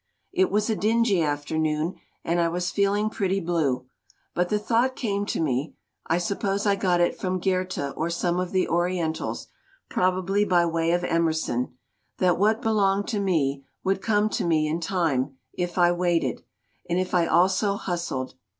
It was a dingy afternoon, and I was feeling pretty blue. But the thought came to me I suppose I got it from Goethe or some of the Orientals, probably by way of Emerson that what belonged to me would come to me in time, if I waited and if I also hustled.